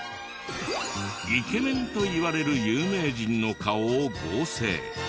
イケメンと言われる有名人の顔を合成。